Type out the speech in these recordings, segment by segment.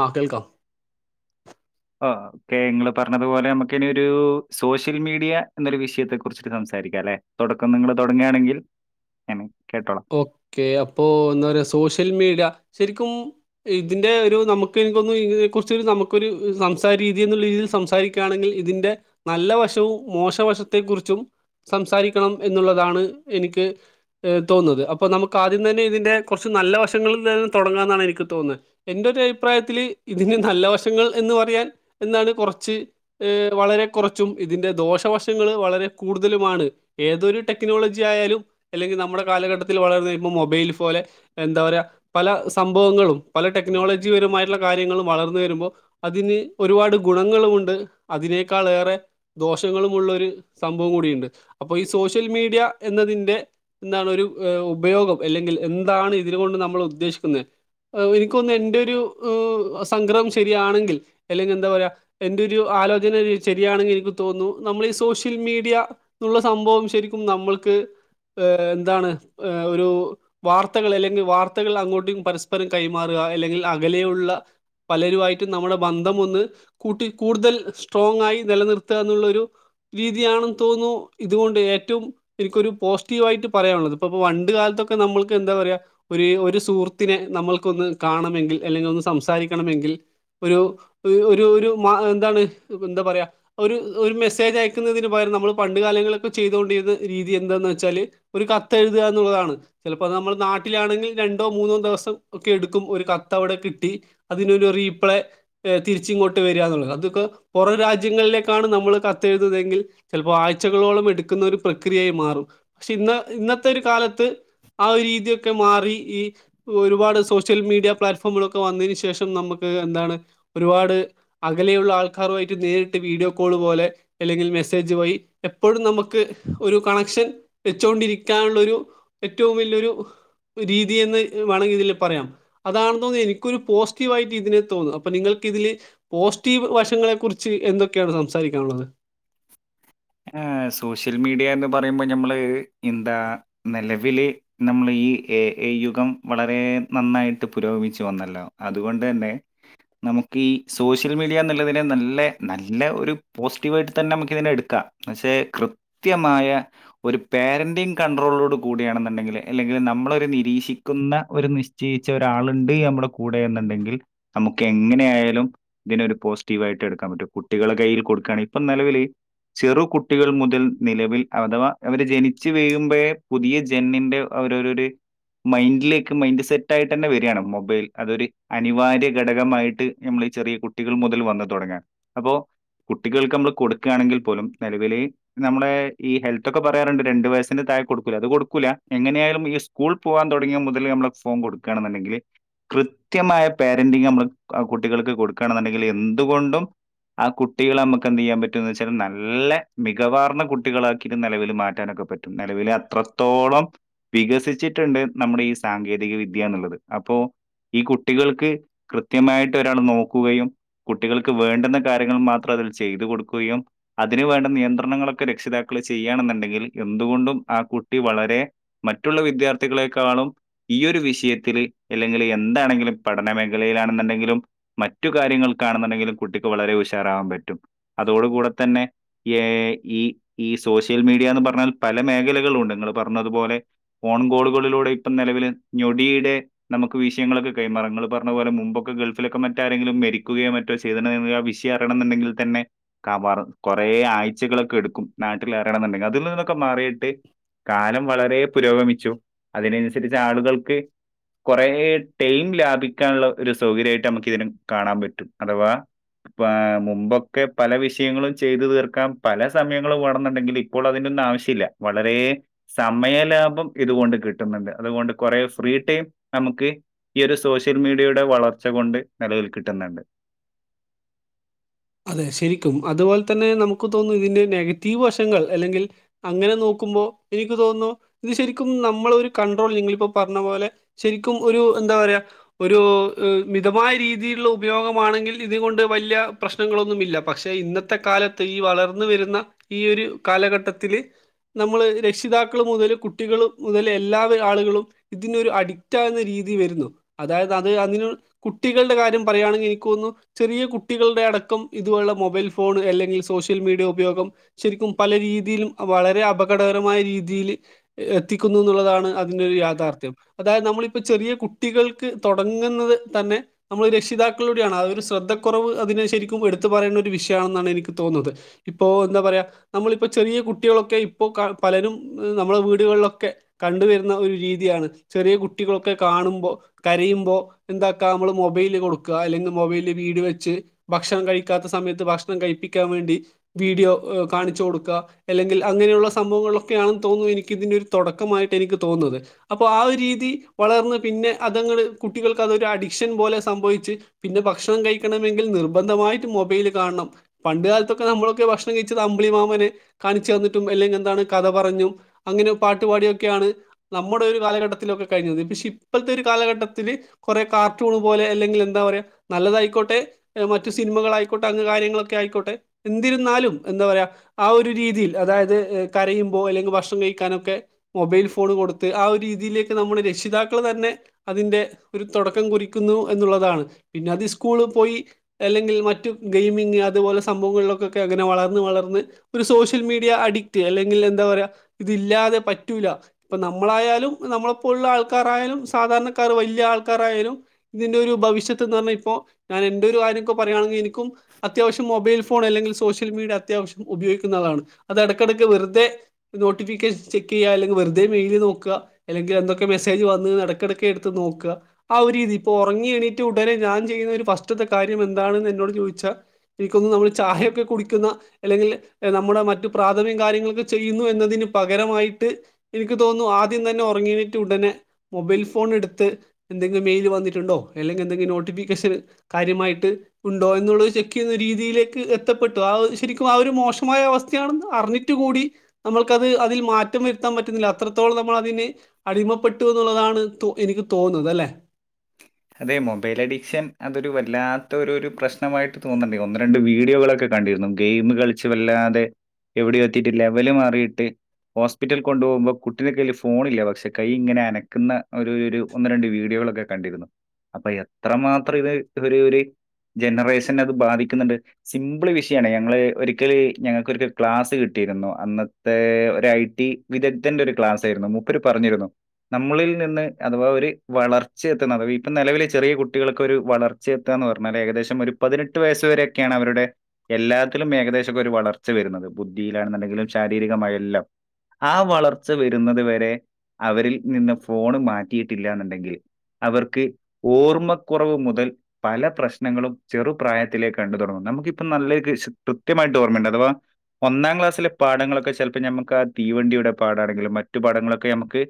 ആ കേൾക്കാം ഓ ഓക്കെ നിങ്ങള് പറഞ്ഞതുപോലെ നമുക്കിനിയൊരു സോഷ്യൽ മീഡിയ എന്നൊരു വിഷയത്തെ കുറിച്ചിട്ട് സംസാരിക്കാം അല്ലെ തുടക്കം നിങ്ങ തുടങ്ങുകയാണെങ്കിൽ അനെ ഒക്കെ അപ്പൊ എന്താപറയാ സോഷ്യൽ മീഡിയ ശരിക്കും ഇതിൻ്റെ ഒരു നമുക്ക് എനിക്കൊന്നു ഇതിനെ കുറിച്ച് നമുക്കൊരു സംസാര രീതി എന്നുള്ള രീതിയിൽ സംസാരിക്കുകയാണെങ്കിൽ ഇതിന്റെ നല്ല വശവും മോശവശത്തെ കുറിച്ചും സംസാരിക്കണം എന്നുള്ളതാണ് എനിക്ക് തോന്നുന്നത് അപ്പ നമുക്ക് ആദ്യം തന്നെ ഇതിൻ്റെ കുറച്ച് നല്ല വശങ്ങളിൽ തന്നെ തുടങ്ങാന്നാണ് എനിക്ക് തോന്നുന്നത് എൻ്റെ ഒരു അഭിപ്രായത്തിൽ ഇതിറെ നല്ല വശങ്ങൾ എന്ന് പറയാൻ എന്താണ് കുറച്ച് വളരെ കുറച്ചും ഇതിന്റെ ദോഷവശങ്ങൾ വളരെ കൂടുതലുമാണ് ഏതൊരു ടെക്നോളജി ആയാലും അല്ലെങ്കി നമ്മുടെ കാലഘട്ടത്തിൽ വളർന്ന് ഇപ്പോൾ മൊബൈൽ ഫൊലെ എന്താപറയാ പല സംഭവങ്ങളും പല ടെക്നോളജിപരമായിട്ടുള്ള കാര്യങ്ങളും വളർന്ന് വരുമ്പോൾ അതിന് ഒരുപാട് ഗുണങ്ങളുമുണ്ട് അതിനേക്കാളേറെ ദോഷങ്ങളുമുള്ള ഒരു സംഭവം കൂടിയുണ്ട് അപ്പോ ഈ സോഷ്യൽ മീഡിയ എന്നതിന്റെ എന്താണ് ഒരു ഉപയോഗം അല്ലെങ്കിൽ എന്താണ് ഇതിനു കൊണ്ട് നമ്മൾ ഉദ്ദേശിക്കുന്നെ എനിക്ക് തോന്നുന്നു എന്റേരു സംഗ്രഹം ശരിയാണെങ്കിൽ അല്ലെങ്കിൽ എന്താ പറയാ എന്റ്റോരു ഒരു ആലോചന ശരിയാണെങ്കിൽ എനിക്ക് തോന്നുന്നു നമ്മൾ ഈ സോഷ്യൽ മീഡിയ എന്നുള്ള സംഭവം ശരിക്കും നമ്മൾക്ക് എന്താണ് ഒരു വാർത്തകൾ അല്ലെങ്കിൽ വാർത്തകൾ അങ്ങോട്ടും പരസ്പരം കൈമാറുക അല്ലെങ്കിൽ അകലെയുള്ള പലരുമായിട്ടും നമ്മുടെ ബന്ധം ഒന്ന് കൂട്ടി കൂടുതൽ സ്ട്രോങ് ആയി നിലനിർത്തുക എന്നുള്ളൊരു രീതിയാണെന്ന് തോന്നുന്നു ഇതുകൊണ്ട് ഏറ്റവും എനിക്കൊരു പോസ്റ്റ് ടീവായിട്ട് പറയാനുള്ളത് ഇപ്പ പ്പം പണ്ട് കാലത്തൊക്കെ നമ്മൾക്ക് എന്താ പറയാ ഒരു ഒരു സുഹൃത്തിനെ നമ്മൾക്കൊന്ന് കാണമെങ്കിൽ അല്ലെങ്കിൽ ഒന്ന് സംസാരിക്കണമെങ്കിൽ ഒരു ഒരു ഒരു എന്താണ് എന്താ പറയുക ഒരു ഒരു മെസ്സേജ് അയക്കുന്നതിന് പകരം നമ്മൾ പണ്ട് കാലങ്ങളൊക്കെ ചെയ്തൊണ്ടിരുന്ന രീതി എന്താന്ന് വെച്ചാല് ഒരു കത്തെഴുതുക എന്നുള്ളതാണ് ചിലപ്പോ നമ്മൾ നാട്ടിലാണെങ്കിൽ രണ്ടോ മൂന്നോ ദിവസം ഒക്കെ എടുക്കും ഒരു കത്ത് അവിടെ കിട്ടി അതിനൊരു റീപ്ലേ തിരിച്ച് ഇങ്ങോട്ട് വരിക എന്നുള്ളത് അതൊക്കെ പുറം രാജ്യങ്ങളിലേക്കാണ് നമ്മൾ കത്തെഴുതുന്നതെങ്കിൽ ചിലപ്പോ ആഴ്ചകളോളം എടുക്കുന്ന ഒരു പ്രക്രിയയായി മാറും പക്ഷെ ഇന്ന് ഇന്നത്തെ ഒരു കാലത്ത് ആ ഒരു രീതിയൊക്കെ മാറി ഈ ഒരുപാട് സോഷ്യൽ മീഡിയ പ്ലാറ്റ്ഫോമുകളൊക്കെ വന്നതിന് ശേഷം നമുക്ക് എന്താണ് ഒരുപാട് അകലെയുള്ള ആൾക്കാരുമായിട്ട് നേരിട്ട് വീഡിയോ കോള് പോലെ അല്ലെങ്കിൽ മെസ്സേജ് പോയി എപ്പോഴും നമുക്ക് ഒരു കണക്ഷൻ വെച്ചോണ്ടിരിക്കാനുള്ള ഒരു ഏറ്റവും വലൃരു രീതി എന്ന് വേണമെങ്കിൽ ഇതില് പറയാം അതാണെന്നുതോന്നുന്നു എനിക്കൊരു പോസിറ്റീവ് ആയിട്ട് ഇതിനെ തോന്നും അപ്പൊ നിങ്ങൾക്ക് ഇതില് പോസിറ്റീവ് വശങ്ങളെ കുുറിച്ച് എന്തൊക്കെയാണ് സംസാരിക്കാനുള്ളത് ആ സോഷ്യൽ മീഡിയ എന്ന് പറയുമ്പോ ഞമ്മള് എന്താ നിലവിൽ നമ്മൾ ഈ എ ഐ യുഗം വളരെ നന്നായിട്ട് പുരോഗമിച്ച് വന്നല്ലോ അതുകൊണ്ട് തന്നെ നമുക്ക് ഈ സോഷ്യൽ മീഡിയ എന്നുള്ളതിനെ നല്ല നല്ല ഒരു പോസിറ്റീവായിട്ട് തന്നെ നമുക്ക് ഇതിനെ എടുക്കാം പക്ഷെ കൃത്യമായ ഒരു പേരന്റിങ് കണ്ടട്രോളോടുകൂടിയാണെന്നുണ്ടെങ്കില് അല്ലെങ്കിൽ നമ്മളൊരു നിരീക്ഷിക്കുന്ന ഒരു നിശ്ചയിച്ച ഒരാളുണ്ട് നമ്മുടെ കൂടെ എന്നുണ്ടെങ്കിൽ നമുക്ക് എങ്ങനെ ആയാലും ഇതിനെ ഒരു പോസിറ്റീവ് ആയിട്ട് എടുക്കാൻ പറ്റും കുട്ടികളെ കയ്യിൽ കൊടുക്കുകാണ് ഇപ്പൊ നിലവില് ചെറുകുട്ടികൾ മുതൽ നിലവിൽ അഥവാ അവരു ജനിച്ചുവീഴുമ്പഴേ പുതിയ ജന്നിന്റെ അവരവരുടെ മൈൻഡിലേക്ക് മൈൻഡ് സെറ്റായിട്ട് തന്നെ വരികയാണ് മൊബൈൽ അതൊരു അനിവാര്യ ഘടകമായിട്ട് നമ്മൾ ഈ ചെറിയ കുട്ടികൾ മുതൽ വന്നു തുടങ്ങയാണ് അപ്പോൾ കുട്ടികൾക്ക് നമ്മൾ കൊടുക്കുകയാണെങ്കിൽ പോലും നിലവിൽ നമ്മളെ ഈ ഹെൽത്തൊക്കെ പറയാറുണ്ട് രണ്ടു വയസിന്റെ താഴെ കൊടുക്കൂല്ല അത് കൊടുക്കൂല്ല എങ്ങനെയായാലും ഈ സ്കൂൾ പോവാൻ തുടങ്ങിയാ മുതൽ നമ്മള് ഫോൺ കൊടുക്കുകാണെന്നുണ്ടങ്കിൽ കൃത്യമായ പേരന്റിങ് നമ്മള് ആ കുട്ടികൾക്ക് കൊടുക്കുകയാെന്നുണ്ടെങ്കിൽ എന്തുകൊണ്ടും ആ കുട്ടികൾ നമുക്കെന്തുചെയ്യാൻ പറ്റുമെന്ന് വെച്ചാൽ നല്ല നല്ല മികവാർന്ന കുട്ടികളാക്കിയിട്ട് നിലവിൽ മാറ്റാനൊക്കെ പറ്റും നിലവിൽ അത്രത്തോളം വികസിച്ചിട്ടുണ്ട് നമ്മുടെ ഈ സാങ്കേതിക വിദ്യ എന്നുള്ളത് അപ്പോ ഈ കുട്ടികൾക്ക് കൃത്യമായിട്ട് ഒരാൾ നോക്കുകയും കുട്ടികൾക്ക് വേണ്ടുന്ന കാര്യങ്ങൾ മാത്രം അതിൽ ചെയ്തു കൊടുക്കുകയും അതിനു വേണ്ട നിയന്ത്രണങ്ങളൊക്കെ രക്ഷിതാക്കൾ ചെയ്യാണെന്നുണ്ടെങ്കിൽ എന്തുകൊണ്ടും ആ കുട്ടി വളരെ മറ്റുള്ള വിദ്യാർത്ഥികളെക്കാളും ഈ ഒരു വിഷയത്തിൽ അല്ലെങ്കിൽ എന്താണെങ്കിലും പഠന മേഖലയിലാണെന്നുണ്ടെങ്കിലും മറ്റു കാര്യങ്ങൾക്കാണെന്നുണ്ടെങ്കിലും കുട്ടിക്ക് വളരെ ഉഷാറാവാൻ പറ്റും അതോടുകൂടെ തന്നെ ഏ ഈ ഈ സോഷ്യൽ മീഡിയാന്ന് പറഞ്ഞാൽ പല മേഖലകളും ഉണ്ട് നിങ്ങൾ പറഞ്ഞതുപോലെ ഫോൺ കോളുകളിലൂടെ ഇപ്പം നിലവിൽ ഞൊടിയിടെ നമുക്ക് വിഷയങ്ങളൊക്കെ കൈമാറും നിങ്ങൾ പറഞ്ഞ പോലെ മുമ്പൊക്കെ ഗൾഫിലൊക്കെ മറ്റാരെങ്കിലും മരിക്കുകയോ മറ്റോ ചെയ്തണ്ട ആ വിഷയം അറിയണന്നുണ്ടെങ്കിൽ തന്നെ കവറ് കുറേ ആഴ്ചകളൊക്കെ എടുക്കും നാട്ടിലറിയണമെന്നുണ്ടെങ്കിൽ അതിൽ നിന്നൊക്കെ മാറിയിട്ട് കാലം വളരെ പുരോഗമിച്ചു അതിനനുസരിച്ച് ആളുകൾക്ക് കുറേ ടൈം ലാഭിക്കാനുള്ള ഒരു സൗകര്യമായിട്ട് നമുക്ക് ഇതിന് കാണാൻ പറ്റും അഥവാ മുമ്പൊക്കെ പല വിഷയങ്ങളും ചെയ്തു തീർക്കാൻ പല സമയങ്ങളും വേണന്നുണ്ടെങ്കിൽ ഇപ്പോൾ അതിന്റെയൊന്നും ആവശ്യമില്ല വളരെ സമയലാഭം ഇതുകൊണ്ട് കിട്ടുന്നുണ്ട് അതുകൊണ്ട് കുറെ ഫ്രീ ടൈം നമുക്ക് ഈ ഒരു സോഷ്യൽ മീഡിയയുടെ വളർച്ച കൊണ്ട് നിലവിൽ കിട്ടുന്നുണ്ട് അതെ ശരിക്കും അതുപോലെ തന്നെ നമുക്ക് തോന്നുന്നു ഇതിന്റെ നെഗറ്റീവ് വശങ്ങൾ അല്ലെങ്കിൽ അങ്ങനെ നോക്കുമ്പോൾ എനിക്ക് തോന്നുന്നു ഇത് ശരിക്കും നമ്മള ഒരു കൺണ്ട്രോൾ നിങ്ങളിപ്പോ പറഞ്ഞ പോലെ ശരിക്കും ഒരു എന്താ പറയാ ഒരു മിതമായ രീതിയിലുള്ള ഉപയോഗമാണെങ്കിൽ ഇത് കൊണ്ട് വലിയ പ്രശ്നങ്ങളൊന്നുമില്ല പക്ഷെ ഇന്നത്തെ കാലത്ത് ഈ വളർന്ന വരുന്ന ഈ ഒരു കാലഘട്ടത്തില് നമ്മള് രക്ഷിതാക്കൾ മുതൽ കുട്ടികൾ മുതൽ എല്ലാ ആളുകളും ഇതിനൊരു അഡിക്റ്റ് ആകുന്ന രീതി വരുന്നു. അതായത് അത് അതിന് കുട്ടികളുടെ കാര്യം പറയുകയാണെങ്കിൽ എനിക്ക് തോന്നുന്നു ചെറിയ കുട്ടികൾ ടെ അടക്കം ഇതുപപോലുള്ള മൊബൈൽ ഫോൺ അല്ലെങ്കിൽ സോഷ്യൽ മീഡിയ ഉപയോഗം ശരിക്കും പല രീതിയിലും വളരെ അപകടകരമായ രീതിയിൽ എത്തിക്കുന്നു എന്നുള്ളതാണ് അതിന്റെ ഒരു യാഥാർത്ഥ്യം. അതായത് നമ്മളിപ്പ ചെറിയ കുട്ടികൾക്ക് തുടങ്ങുന്നത് തന്നെ നമ്മൾ രക്ഷിതാക്കളിലൂടെയാണ് അ ഒരു ശ്രദ്ധുറവ് അതിന് ശരിക്കും എടുത്തു പറയേണ്ട ഒരു വിഷയമാണെന്നാണ് എനിക്ക് തോന്നുന്നത്. ഇപ്പോ എന്താ പറയാ നമ്മളിപ്പോ ചെറിയ കുട്ടികളൊക്കെ ഇപ്പൊ പലരും നമ്മളെ വീടുകളിലൊക്കെ കണ്ടുവരുന്ന ഒരു രീതിയാണ് ചെറിയ കുട്ടികളൊക്കെ കാണുമ്പോ കരയുമ്പോ എന്താക്കാ നമ്മള് മൊബൈല് കൊടുക്ക അല്ലെങ്കിൽ മൊബൈല് വീട് വെച്ച് ഭക്ഷണം കഴിക്കാത്ത സമയത്ത് ഭക്ഷണം കഴിപ്പിക്കാൻ വേണ്ടി വീഡിയോ കാണിച്ചു കൊടുക്കുക ഇല്ലെങ്കിൽ അങ്ങനെയുള്ള സംഭവങ്ങളൊക്കെയാണെന്ന് തോന്നുന്നു എനിക്ക്‌ ഇതിന് ഒരു തുടക്കമായിട്ട് എനിക്ക് തോന്നുന്നത്. അപ്പോൾ ആ ഒരു രീതി വളർന്ന് പിന്നെ അതങ്ങട് കുട്ടികൾക്ക് അതൊരു അഡിക്ഷൻ പോലെ സംഭവിച്ച് പിന്നെ ഭക്ഷണം കഴിക്കണമെങ്കിൽ നിർ ബന്ധമായിട്ട് മൊബൈല് കാണണം പണ്ട് കാലത്തൊക്കെ നമ്മളൊക്കെ ഭക്ഷണം കഴിച്ചത് അമ്പിളി മാമനെ കാണിച്ചു തന്നിട്ടും അല്ലെങ്കിൽ എന്താണ് കഥ പറഞ്ഞും അങ്ങനെ പാട്ടുപാടിയൊക്കെയാണ് നമ്മുടെ ഒരു കാലഘട്ടത്തിലൊക്കെ കഴിഞ്ഞത്. പക്ഷെ ഇപ്പോഴത്തെ ഒരു കാലഘട്ടത്തില് കൊറേ കാർട്ടൂണ് പോലെ അല്ലെങ്കിൽ എന്താ പറയാ നല്ലതായിക്കോട്ടെ മറ്റു സിനിമകളായിക്കോട്ടെ അങ്ങ് കാര്യങ്ങളൊക്കെ ആയിക്കോട്ടെ എന്തിരുന്നാലും എന്താ പറയുക ആ ഒരു രീതിയിൽ അതായത് കരയുമ്പോൾ അല്ലെങ്കിൽ ഭക്ഷണം കഴിക്കാനൊക്കെ മൊബൈൽ ഫോൺ കൊടുത്ത് ആ ഒരു രീതിയിലേക്ക് നമ്മുടെ രക്ഷിതാക്കൾ തന്നെ അതിന്റെ ഒരു തുടക്കം കുറിക്കുന്നു എന്നുള്ളതാണ് പിന്നെ അത് സ്കൂള് പോയി അല്ലെങ്കിൽ മറ്റു ഗെയിമിംഗ് അതുപോലെ സംഭവങ്ങളിലേക്കൊക്കെ അങ്ങനെ വളർന്ന് വളർന്ന് ഒരു സോഷ്യൽ മീഡിയ അഡിക്റ്റ് അല്ലെങ്കിൽ എന്താ പറയാ ഇതില്ലാതെ പറ്റൂല ഇപ്പൊ നമ്മളായാലും നമ്മളെപ്പോലുള്ള ആൾക്കാരായാലും സാധാരണക്കാർ വലിയ ആൾക്കാരായാലും ഇതിന്റെ ഒരു ഭവിഷ്യത്ത് എന്ന് പറഞ്ഞാൽ ഇപ്പോ ഞാൻ എന്റെ ഒരു കാര്യം ഒക്കെ പറയാണെങ്കിൽ എനിക്കും അത്യാവശ്യം മൊബൈൽ ഫോൺ അല്ലെങ്കിൽ സോഷ്യൽ മീഡിയ അത്യാവശ്യം ഉപയോഗിക്കുന്നാളാണ് അതിടക്കിടക്ക്‌ വെറുതെ നോട്ടിഫിക്കേഷൻ ചെക്ക് ചെയ്യാ അല്ലെങ്കി വെറുതെ മെയിൽ നോക്കുക അല്ലെങ്കിൽ എന്തൊക്കെ മെസ്സേജ് വന്നുന്ന് ഇടക്കിടക്ക്‌ എടുത്ത് നോക്ക ആ ഒരു രീതി ഇപ്പോ ഉറങ്ങി എണീട്ട് ഉടനെ ഞാൻ ചെയ്യുന്ന ഒരു ഫസ്റ്റത്തെ കാ ര്യം എന്താണെന്ന് എന്നോട് ചോദിച്ചാ എനിക്ക്‌ തോന്നുന്നു നമ്മൾ ചായയൊക്കെ കുടിക്കുന്ന അല്ലെങ്കില് നമ്മുടെ മറ്റ് പ്രാഥമിക കാര്യങ്ങളൊക്കെ ചെയ്യുന്നു എന്നതിന് പകരമായിട്ട് എനിക്ക് തോന്നുന്നു ആദ്യം തന്നെ ഉറങ്ങിയെണീറ്റ് ഉടനെ മൊബൈൽ ഫോൺ എടുത്ത് എന്തെങ്കിലും മെയിൽ വന്നിട്ടുണ്ടോ ഇല്ലെങ്കിൽ എന്തെങ്കിലും നോട്ടിഫിക്കേഷന് കാര്യമായി ട്ട് ഉണ്ടോ എന്നുള്ളത് ചെക്ക് ചെയ്യുന്ന രീതിയിലേക്ക് എത്തപ്പെട്ടു ആ ഒരു ശരിക്കും ആ ഒരു മോശമായ അവസ്ഥയാണെന്ന് അറിഞ്ഞിട്ട് കൂടി നമ്മൾക്കത് അതിൽ മാറ്റം വരുത്താൻ പറ്റുന്നില്ല അത്രത്തോളം നമ്മൾ അതിന് അടിമപ്പെട്ടുന്നുള്ളതാണ് തോ എനിക്ക് തോന്നുന്നത് അല്ലെ? അതെ മൊബൈൽ അഡിക്ഷൻ അതൊരു വല്ലാത്ത ഒര്ഒരു പ്രശ് മായിട്ട് തോന്നണുണ്ട് ഒന്ന് രണ്ട് വീ വീഡിയോകളൊക്കെ കണ്ടിരുന്നു ഗെയിം കളിച്ച് വല്ലാതെ എവിടെയോ എത്തിട്ട് ലെവൽ മാറിയിട്ട് ഹോസ്പിറ്റൽ കൊണ്ടു പോകുമ്പം കുട്ടിടെ കയ്യിൽ ഫോണ് ഇല്ല പക്ഷെ കൈ ഇങ്ങനെ അനക്കുന്ന ഒരു ഒരു ഒന്ന് രണ്ട് വീഡിയോകളൊക്കെ കണ്ടിരുന്നു അപ്പൊ എത്രമാത്രം ഇത് ഒരു ഒരു ജനറേഷനെ അത് ബാധിക്കുന്നുണ്ട് സിംപിള് വിഷയാണ് ഞങ്ങൾ ഒരിക്കല് ഞങ്ങൾക്കൊരിക്കൽ ക്ലാസ്സ് കിട്ടിയിരുന്നു. അന്നത്തെ ഒരു ഐ ടി വിദഗ്ധന്റെ ഒരു ക്ലാസ് ആയിരുന്നു മൂപ്പര് പറഞ്ഞിരുന്നു നമ്മളിൽ നിന്ന് അഥവാ ഒരു വളർ ച്ച എത്തുന്നത് ഇപ്പം നിലവിലെ ചെറിയ കുട്ടികൾക്ക്‌ ഒരു വളർച്ച എത്തുക എന്ന് പറഞ്ഞാല് ഏകദേശം ഒരു പതിനെട്ട് വയസ് വരെയൊക്കെയാണ് അവരുടെ എല്ലാത്തിലും ഏകദേശമൊക്കെ ഒരു വളർച്ച വരുന്നത്. ബുദ്ധിയിലാണെന്നുണ്ടെങ്കിലും ശാരീരികമായ എല്ലാം ആ വളർച്ച വരുന്നത് വരെ അവരിൽ നിന്ന് ഫോണ് മാറ്റിയിട്ടില്ല എന്നുണ്ടെങ്കില് അവർക്ക് ഓർമ്മക്കുറവ് മുതൽ പല പ്രശ്നങ്ങളും ചെറുപ്രായത്തിലേ കണ്ടു തുടങ്ങും. നമുക്കിപ്പം നല്ല കൃത്യമായിട്ട് ഓർമ്മയുണ്ട് അഥവാ ഒന്നാം ക്ലാസ്സിലെ പാഠങ്ങളൊക്കെ ചിലപ്പോൾ നമ്മുക്ക് ആ തീവണ്ടിയുടെ പാഠാണെങ്കിലും മറ്റു പാഠങ്ങളൊക്കെ നമുക്ക്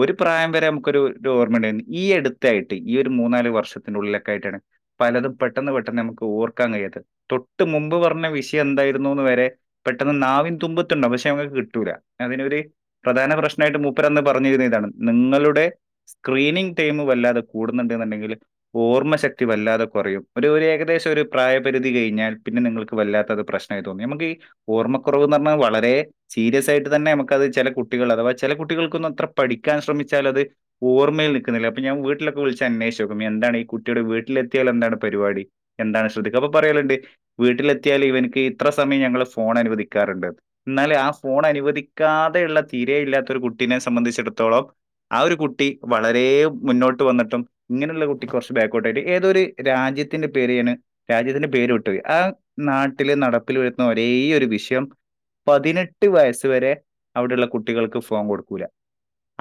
ഒരു പ്രായം വരെ നമുക്കൊരു ഒരു ഓർമയു ഈ അടുത്തായിട്ട് ഈ ഒരു മൂന്നാല് വർഷത്തിന്റെ ഉള്ളിലൊക്കെ ആയിട്ടാണ് പലതും പെട്ടെന്ന് പെട്ടെന്ന് നമുക്ക് ഓർക്കാൻ കഴിയാത്തെ. തൊട്ട് മുമ്പ് പറഞ്ഞ വിഷയം എന്തായിരുന്നുന്ന് വരെ പെട്ടെന്ന് നാവിൻ തുമ്പത്തുണ്ടാവും പക്ഷെ ഞമ്മക്ക് കിട്ടൂല. അതിനൊരു പ്രധാന പ്രശ്നമായിട്ട് മൂപ്പരന്ന് പറഞ്ഞിരുന്നെ ഇതാണ് നിങ്ങളുടെ സ്ക്രീനിങ് ടൈമ് വല്ലാതെ കൂടുന്നുണ്ടെന്നുണ്ടെങ്കില് ഓർമ്മ ശക്തി വല്ലാതെ കുറയും. ഒരു ഏകദേശം ഒരു പ്രായപരിധി കഴിഞ്ഞാൽ പിന്നെ നിങ്ങൾക്ക് വല്ലാത്തത് പ്രശ്നമായി തോന്നി നമുക്ക് ഈ ഓർമ്മ കുറവ്ന്ന് പറഞ്ഞാൽ വളരെ സീരിയസ് ആയിട്ട് തന്നെ നമുക്കത് ചില കുട്ടികൾ അഥവാ ചില കുട്ടികൾക്കൊന്നും അത്ര പഠിക്കാൻ ശ്രമിച്ചാൽ അത് ഓർമ്മയിൽ നിക്കി ന്നില്ല അപ്പൊ ഞാൻ വീട്ടിലൊക്കെ വിളിച്ച് അന്വേഷിച്ച് നോക്കും എന്താണ് ഈ കുട്ടിടെ വീട്ടിലെത്തിയാൽ എന്താണ് പരിപാടി എന്താണ് ശ്രദ്ധിക്കുക അപ്പൊ പറയലുണ്ട് വീട്ടിലെത്തിയാല് ഇവനിക്ക് ഇത്ര സമയം ഞങ്ങള് ഫോൺ അനുവദിക്കാറുണ്ട് എന്നാല് ആ ഫോൺ അനുവദിക്കാതെയുള്ള തീരേ ഇല്ലാത്ത ഒരു കുട്ടിനെ സംബന്ധിച്ചിടത്തോളം ആ ഒരു കുട്ടി വ വളരെ മുന്നോട്ട് വന്നിട്ടും ഇങ്ങനെയുള്ള കുട്ടി കുറച്ച് ബാക്ക്ഔട്ട് ആയിട്ട് ഏതൊ ഒരു രാജ്യത്തിന്റെ പേരെയാണ് രാജ്യത്തിന്റെ പേര് വിട്ടു പോയ്. ആ നാട്ടില് നടപ്പില് വരുന്ന ഒരേ ഒരു വിഷയം പതിനെട്ട് വയസ് വരെ അവിടെയുള്ള കുട്ടികൾക്ക് ഫോൺ കൊടുക്കില്ല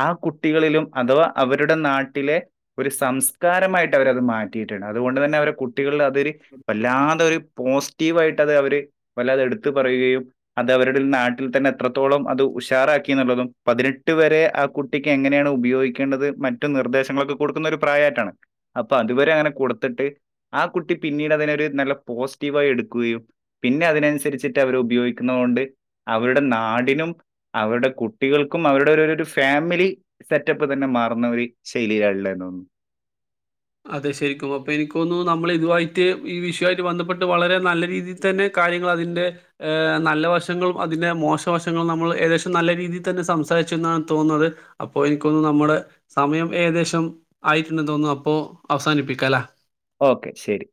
ആ കുട്ടികളിലും അഥവാ അവരുടെ നാട്ടിലെ ഒരു സംസ്കാരമായിട്ട് അവരത് മാറ്റിയിട്ടാണ് അതുകൊണ്ട് തന്നെ അവരെ കുട്ടികളിൽ അതൊരു വല്ലാതൊരു പോസിറ്റീവ് ആയിട്ട് അത് അവര് വല്ലാതെ എടുത്ത് പറയുകയും അത് അവരുടെ നാട്ടിൽ തന്നെ എത്രത്തോളം അത് ഉഷാറാക്കി എന്നുള്ളതും പതിനെട്ട് വരെ ആ കുട്ടിക്ക് എങ്ങനെയാണ് ഉപയോഗി ക്കേണ്ടത് മറ്റു നിർദ്ദേശങ്ങളൊക്കെ കൊടുക്കുന്ന ഒരു പ്രായമായിട്ടാണ് അപ്പൊ അതുവരെ അങ്ങനെ കൊടുത്തിട്ട് ആ കുട്ടി പിന്നീട് അതിനൊരു നല്ല പോസിറ്റീവായി എടുക്കുകയും പിന്നെ അതിനനുസരിച്ചിട്ട് അവര് ഉപയോഗിക്കുന്ന കൊണ്ട് അവരുടെ നാടിനും അവരുടെ കുട്ടികൾക്കും അവരുടെ ഒര് ഒരു ഫാമിലി സെറ്റപ്പ് പ്പ് തന്നെ മാറുന്ന ഒരു ശൈലിയിലാ ഉള്ളേന്ന് തോന്നുന്നു. അതെ ശരിക്കും അപ്പൊ എനിക്ക്‌ തോന്നുന്നു നമ്മൾ ഇതുവായിട്ട് ഈ വിഷയമായിട്ട് ബന്ധപ്പെട്ട് വളരെ നല്ല രീതിയിൽ തന്നെ കാര്യങ്ങൾ അതിന്റെ നല്ല വശങ്ങളും അതിന്റെ മോശ വശങ്ങളും നമ്മൾ ഏകദേശം നല്ല രീതിയിൽ തന്നെ സംസാരിച്ചു എന്നാണ് തോന്നുന്നത്. അപ്പോ എനിക്ക്‌ തോന്നുന്നു നമ്മുടെ സമയം ഏകദേശം ആയിട്ടുണ്ടെന്ന് തോന്നുന്നു അപ്പോ അവസാനിപ്പിക്കാല്ല? ഓക്കെ ശരി.